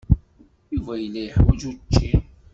Yuba yella yeḥwaj učči.